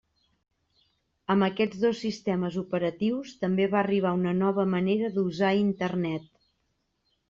Amb aquests dos sistemes operatius també va arribar una nova manera d'usar Internet.